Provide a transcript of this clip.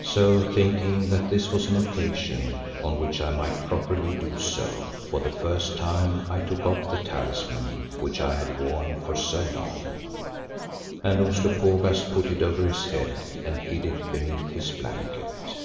So thinking that this was an occasion on which I might properly do so, for the first time I took off the talisman which I had worn for so long, and Umslopogaas put it over his head and hid it beneath his blanket.